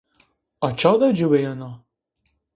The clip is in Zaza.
A ça de cıwiyena?